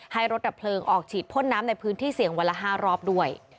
ให้รถดับเพลิงออกฉีดพ่นน้ำในพื้นที่เสี่ยงวันละ๕รอบด้วย